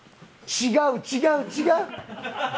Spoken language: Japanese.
違う違う違う！